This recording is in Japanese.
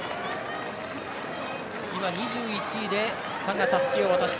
２１位で佐賀、たすきを渡した。